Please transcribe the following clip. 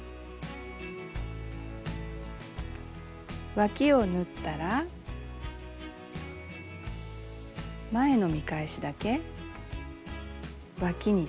わきを縫ったら前の見返しだけわきにそろえて折ります。